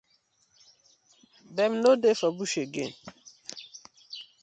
Dem no dey for bush again?